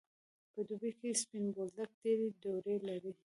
په دوبی کی سپین بولدک ډیری دوړی لری.